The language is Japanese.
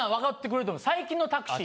最近のタクシー。